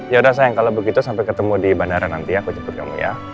ya udah sayang kalau begitu sampai ketemu di bandara nanti aku jemput kamu ya